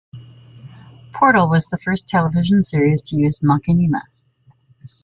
"Portal" was the first television series to use machinima.